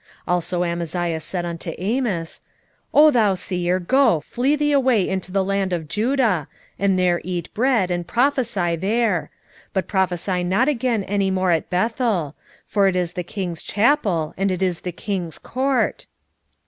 7:12 Also Amaziah said unto Amos, O thou seer, go, flee thee away into the land of Judah, and there eat bread, and prophesy there: 7:13 But prophesy not again any more at Bethel: for it is the king's chapel, and it is the king's court.